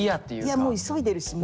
いやもう急いでるしもういいか。